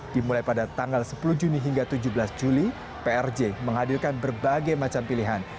dimulai pada tanggal sepuluh juni hingga tujuh belas juli prj menghadirkan berbagai macam pilihan